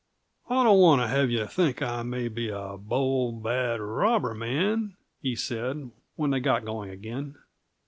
"I don't want to have you think I may be a bold, bad robber man," he said, when they got going again.